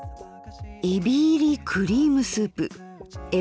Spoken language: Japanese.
「えび入りクリームスープえ